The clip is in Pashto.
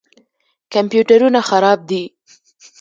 کمپیوټرونه خراب دي.